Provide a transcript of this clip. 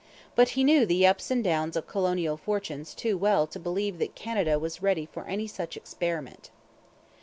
But he knew the ups and downs of colonial fortunes too well to believe that Canada was ready for any such experiment.